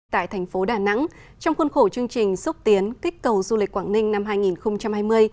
tại thành phố đà nẵng trong khuôn khổ chương trình xúc tiến kích cầu du lịch quảng ninh năm hai nghìn hai mươi